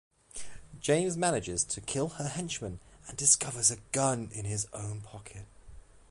James manages to kill her henchman, and discovers a gun in his own pocket.